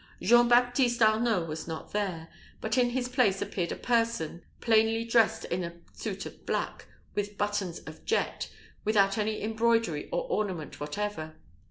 Jean Baptiste Arnault was not there, but in his place appeared a person, plainly dressed in a suit of black, with buttons of jet, without any embroidery or ornament whatever.